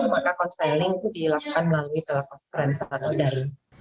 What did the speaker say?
maka konseling itu dilakukan melalui telah pencegahan